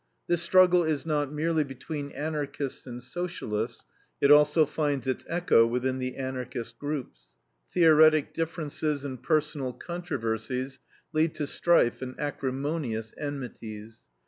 This struggle is not merely between Anarchists and Socialists; it also finds its echo within the Anarchist groups. Theoretic differences and personal controversies lead to strife and acrimonious enmities.